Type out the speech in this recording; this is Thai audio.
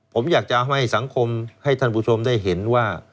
ผมอยากจะให้สังคมให้ท่านผู้ชมได้เห็นว่า